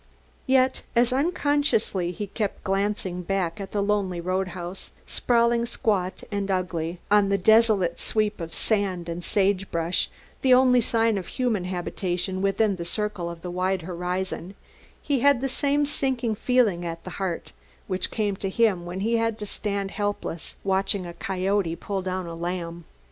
Yet as unconsciously he kept glancing back at the lonely roadhouse, sprawling squat and ugly on the desolate sweep of sand and sagebrush, the only sign of human habitation within the circle of the wide horizon, he had the same sinking feeling at the heart which came to him when he had to stand helpless watching a coyote pull down a lamb.